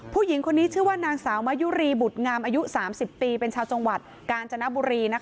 ผู้หญิงคนนี้ชื่อว่านางสาวมะยุรีบุตรงามอายุ๓๐ปีเป็นชาวจังหวัดกาญจนบุรี